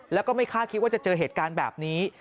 แล้วก็ไม่คาดคิดว่าจะเจอเหตุการณ์แบบนี้